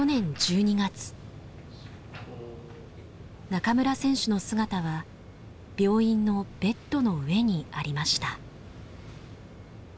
中村選手の姿は病院のベッドの上にありました。